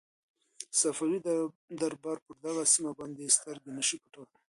صفوي دربار پر دغه سیمه باندې سترګې نه شوای پټولای.